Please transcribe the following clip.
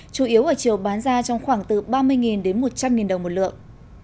chủ yếu ở chiều bán ra trong khoảng từ ba mươi đến một trăm linh đồng một lượng